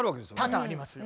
多々ありますよ。